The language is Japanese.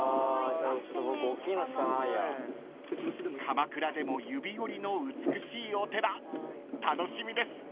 ［鎌倉でも指折りの美しいお寺楽しみです］